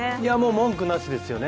文句なしですよね。